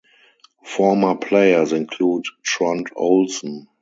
Former players include Trond Olsen.